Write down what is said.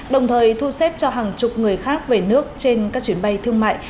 đồng thời thu xếp cho hàng chục người khác về nước trên các chuyến bay thương mại